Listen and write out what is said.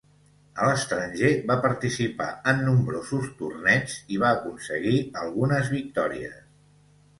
A l'estranger, va participar en nombrosos torneigs, i va aconseguir algunes victòries.